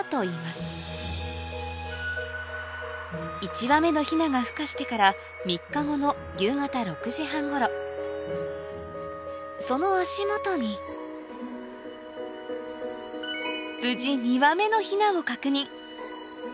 １羽目のヒナがふ化してから３日後の夕方６時半ごろその足元に無事２羽目のヒナを確認